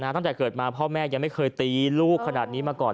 ตั้งแต่เกิดมาพ่อแม่ยังไม่เคยตีลูกขนาดนี้มาก่อน